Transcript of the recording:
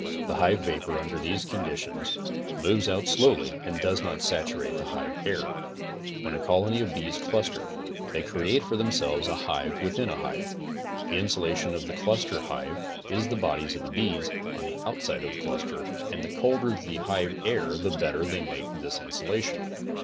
The hive vapor under these conditions moves out slowly and does not saturate the hive air, When a colony of bees cluster they create for themselves a hive within a hive. The insulation of the cluster hive is the bodies of the bees on the outsidé of the cluster, and the colder the hive air the better they make this insulation.